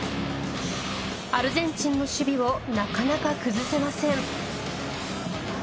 アルゼンチンの守備をなかなか崩せません。